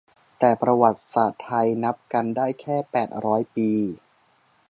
แต่ประวัติศาสตร์ไทย นับกันได้แค่แปดร้อยปี